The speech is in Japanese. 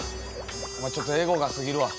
お前ちょっとエゴが過ぎるわ。